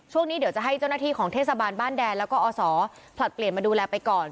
เดี๋ยวจะให้เจ้าหน้าที่ของเทศบาลบ้านแดนแล้วก็อศผลัดเปลี่ยนมาดูแลไปก่อน